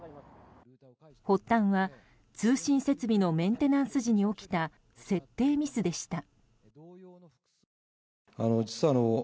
発端は、通信設備のメンテナンス時に起きた設定ミスでした。